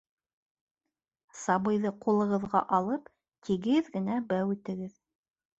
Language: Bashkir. - сабыйҙы ҡулығыҙға алып, тигеҙ генә бәүетегеҙ